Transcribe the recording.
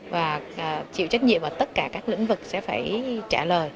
và chịu trách nhiệm ở tất cả các lĩnh vực sẽ phải trả lời